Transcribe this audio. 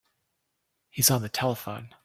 He's on the telephone.